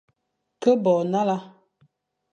Ke bo nale,